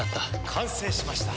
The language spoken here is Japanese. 完成しました。